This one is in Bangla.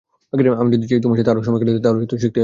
আমি যদি তোমার সাথে আরো সময় কাটাতে চাই, তাহলে তো শিখতেই হবে।